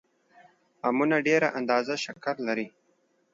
امونه ډېره اندازه شکر لري